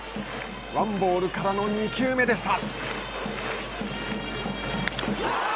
ワンボールからの２球目でした。